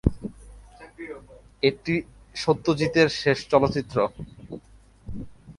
এটি সত্যজিতের শেষ চলচ্চিত্র।